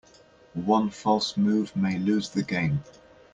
One false move may lose the game.